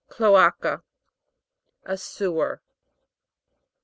CLO'ACA. A sewer.